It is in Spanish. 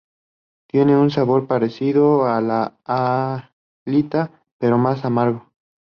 Tiene un sabor parecido a la halita pero más amargo.